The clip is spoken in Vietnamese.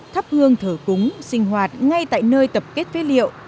thắp hương thờ cúng sinh hoạt ngay tại nơi tập kết phế liệu